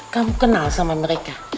kamu kenal sama mereka